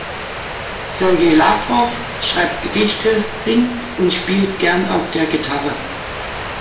Sergei Lawrow schreibt Gedichte, singt und spielt gerne auf der Gitarre.